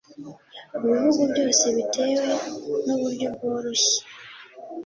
mu bihugu byose bitewe nuburyo bworoshye